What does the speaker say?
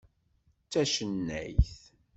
D tacennayt.